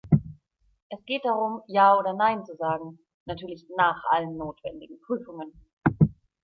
Es geht darum, ja oder nein zu sagen, natürlich nach allen notwendigen Prüfungen.